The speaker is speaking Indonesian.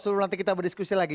sebelum nanti kita berdiskusi lagi